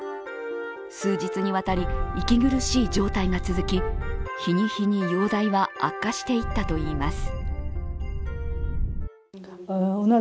数日にわたり息苦しい状態が続き日に日に容体は悪化していったといいます。